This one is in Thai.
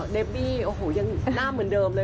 เบบี้โอ้โหยังหน้าเหมือนเดิมเลย